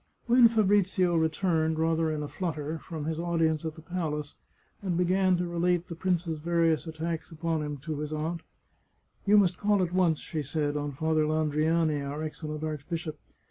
When Fabrizio returned, rather in a flutter, from his audience at the palace, and began to relate the prince's vari ous attacks upon him to his aunt, " You must call at once," she said, " on Father Landriani, our excellent archbishop.